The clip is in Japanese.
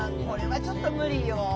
これはちょっと無理よ。